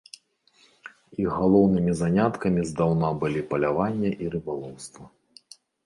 Іх галоўнымі заняткамі здаўна былі паляванне і рыбалоўства.